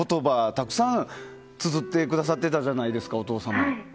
たくさん、つづってくださってたじゃないですかお父様。